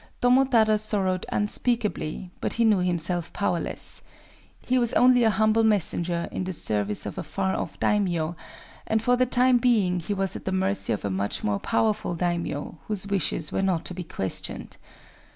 Tomotada sorrowed unspeakably; but he knew himself powerless. He was only an humble messenger in the service of a far off daimyō; and for the time being he was at the mercy of a much more powerful daimyō, whose wishes were not to be questioned.